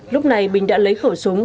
lúc này bình đã lấy khẩu súng